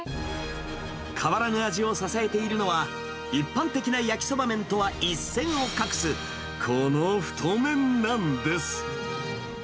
変わらぬ味を支えているのは、一般的な焼きそば麺とは一線を画す、この太麺なんです。